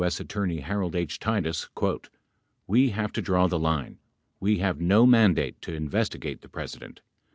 S. Attorney Harold H.] Titus "We have to draw the line. We have no mandate to investigate the Presi dent.